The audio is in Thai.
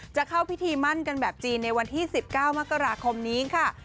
จะเข้าพิธีมั่นกันแบบจีนในวันที่๑๙มกราคมนี้ค่ะ